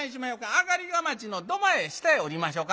上がりがまちの土間へ下へ下りましょか。